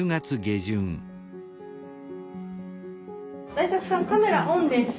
大作さんカメラオンです。